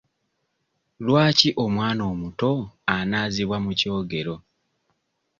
Lwaki omwana omuto anaazibwa mu kyogero?